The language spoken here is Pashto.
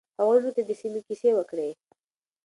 هغوی موږ ته د سیمې کیسې وکړې.